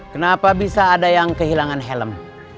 kenapa bisa ada yang kehilangan helm